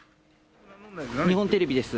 日本テレビです。